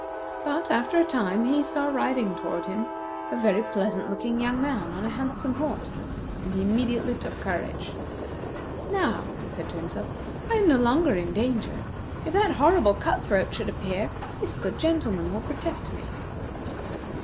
But, after a time, he saw riding toward him a very pleasant looking young man on a handsome horse, and he immediately took courage. "Now," said he to himself, "I am no longer in danger. If that horrible cut throat should appear, this good gentleman will protect me."